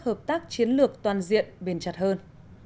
hợp tác chiến lược toàn diện bền chặt hơn